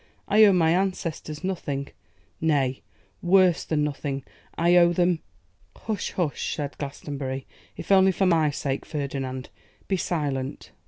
'I owe my ancestors nothing, nay, worse than nothing; I owe them ' 'Hush! hush!' said Glastonbury. 'If only for my sake, Ferdinand, be silent.